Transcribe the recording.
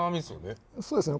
そうですね。